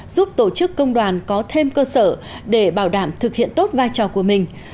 giúp tổ chức công đoàn có thêm cơ sở để bảo đảm thực hiện tốt vai trò của mình